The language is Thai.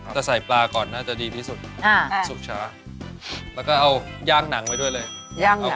ใส่ปลาก่อนน่าจะดีที่สุดอ่าสุกช้าแล้วก็เอาย่างหนังไว้ด้วยเลย